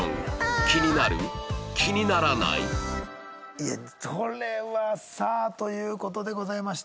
いやそれはさあという事でございまして。